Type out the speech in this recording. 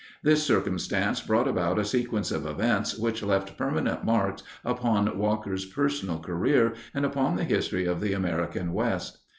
This circumstance brought about a sequence of events which left permanent marks upon Walker's personal career and upon the history of the American West.